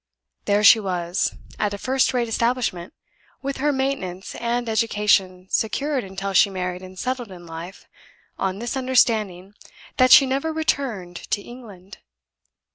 There she was, at a first rate establishment, with her maintenance and education secured until she married and settled in life, on this understanding that she never returned to England.